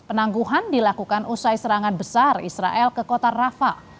penangguhan dilakukan usai serangan besar israel ke kota rafa